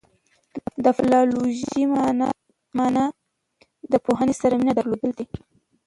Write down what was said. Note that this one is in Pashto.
فلالوژي مانا د پوهي سره مینه درلودل دي.